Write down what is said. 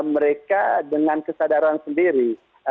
mereka dengan kesadaran sendiri